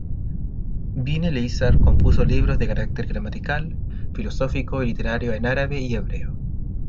Ben Eleazar compuso libros de carácter gramatical, filosófico o literario en árabe y hebreo.